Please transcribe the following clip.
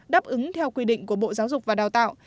đáp ứng theo quy định của bộ giáo dục và đào tạo